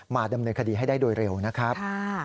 ดำเนินคดีให้ได้โดยเร็วนะครับ